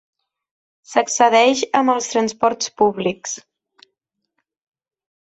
S'excedeix amb els transports públics.